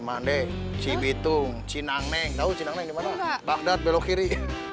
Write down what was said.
cima andei cibitung cinang neng tahu cina menggimana bagdad belok kiri